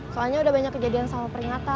soalnya udah banyak kejadian sama peringatan